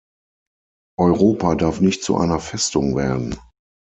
Europa darf nicht zu einer Festung werden.